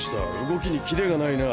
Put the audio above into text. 動きにキレがないな。